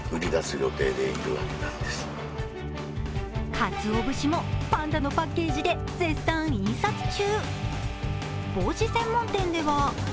かつおぶしもパンダのパッケージで絶賛印刷中。